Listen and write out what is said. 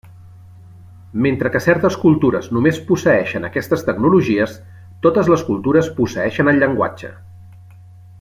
Mentre que certes cultures només posseeixen aquestes tecnologies, totes les cultures posseeixen el llenguatge.